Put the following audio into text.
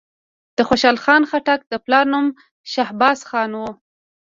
د خوشحال خان خټک د پلار نوم شهباز خان وو.